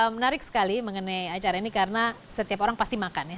menarik sekali mengenai acara ini karena setiap orang pasti makan ya